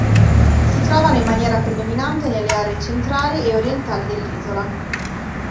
Si trovano in maniera predominante nelle aree centrali e orientali dell'isola.